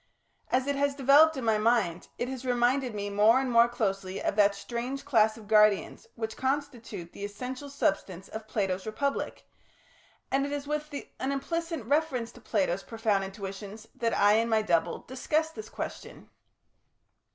As it has developed in my mind, it has reminded me more and more closely of that strange class of guardians which constitutes the essential substance of Plato's Republic, and it is with an implicit reference to Plato's profound intuitions that I and my double discuss this question.